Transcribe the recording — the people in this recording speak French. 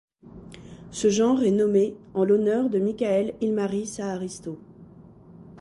Ce genre est nommé en l'honneur de Michael Ilmari Saaristo.